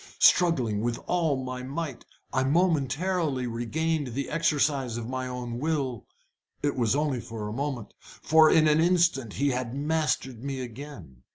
Struggling with all my might, I momentarily regained the exercise of my own will. It was only for a moment, for in an instant he had mastered me again.